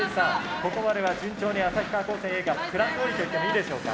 ここまでは順調に旭川高専Ａがプランどおりと言ってもいいでしょうか？